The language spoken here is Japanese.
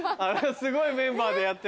すごいメンバーでやってるね。